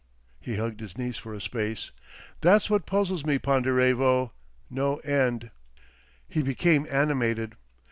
He hugged his knees for a space. "That's what puzzles me, Ponderevo, no end." He became animated.